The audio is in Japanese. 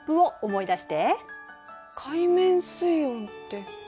海面水温って。